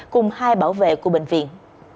cùng hai bảo vệ của bệnh viện